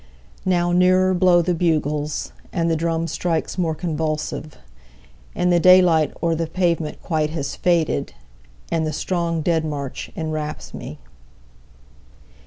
6Now nearer blow the bugles, And the drums strike more convulsive; And the day light o'er the pavement quite has faded, And the strong dead march enwraps me.